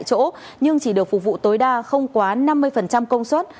chỗ nhưng chỉ được phục vụ tối đa không quá năm mươi công suất